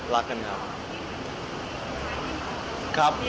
รักคุณครับ